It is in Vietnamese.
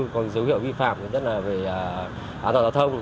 có dấu hiệu vi phạm nhất là về an toàn giao thông